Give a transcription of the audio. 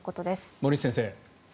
森内先生。